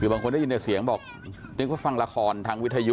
คือบางคนเธอยินถึงเสียงบอกฟังละคลทางวิทยุ